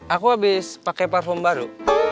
aku abis pakai parfum baru